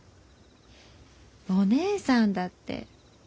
お義姉さんだって。